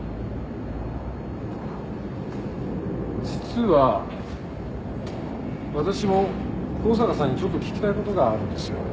実は私も香坂さんにちょっと聞きたいことがあるんですよ。